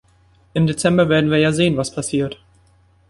Im Dezember werden wir ja sehen, was passiert.